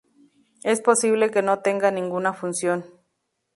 Es posible que no tenga ninguna función.